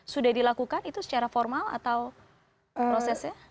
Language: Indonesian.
sudah dilakukan itu secara formal atau prosesnya